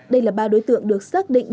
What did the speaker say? đây là ba đối tượng được xác định